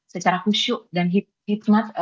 secara khusyuk dan hikmat